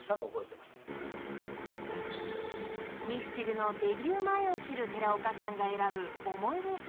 ［ミスチルのデビュー前を知る寺岡さんが選ぶ］